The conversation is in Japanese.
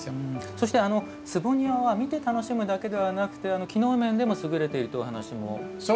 そして坪庭は見て楽しむだけではなくて機能面でも優れているというお話も。